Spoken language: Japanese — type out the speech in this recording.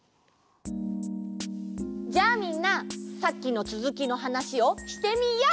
じゃあみんなさっきのつづきのはなしをしてみよう！